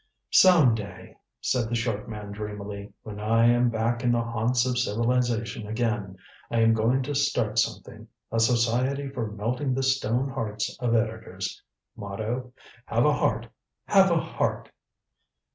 "Some day," said the short man dreamily, "when I am back in the haunts of civilization again, I am going to start something. A Society for Melting the Stone Hearts of Editors. Motto: 'Have a heart have a heart!'